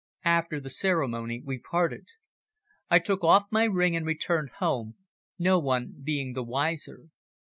After the ceremony we parted. I took off my ring and returned home, no one being the wiser.